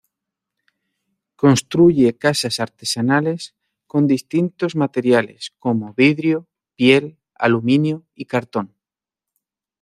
Construye casas artesanales con distintos materiales como vidrio, piel, aluminio y cartón.